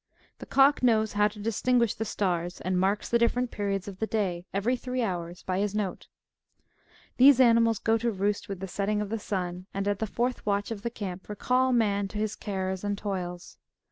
The cock knows how to distinguish the stars, and marks the difi'erent periods of the day, every three hours, by his note. These animals go to roost with the setting of the sun, and at the fourth watch of the camp recall man to his cares and toils.